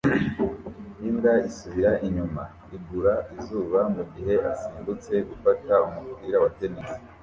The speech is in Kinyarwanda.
Imbwa isubira inyuma igura izuba mugihe asimbutse gufata umupira wa tennis